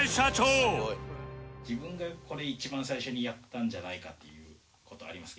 自分がこれ一番最初にやったんじゃないかっていう事ありますか？